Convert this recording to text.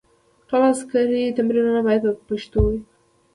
ټول عسکري تمرینونه باید په پښتو وي.